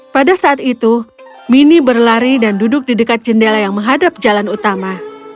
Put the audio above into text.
pada saat itu mini berlari dan duduk di dekat jendela yang menghadap jalan utama